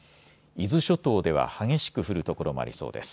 伊豆諸島では激しく降る所もありそうです。